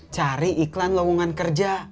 cari iklan lowongan kerja